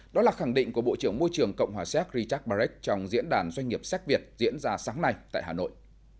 đó là khẳng định của bộ trưởng môi trường cộng hòa séc richard barecht trong diễn đàn doanh nghiệp séc việt diễn ra sáng nay tại hà nội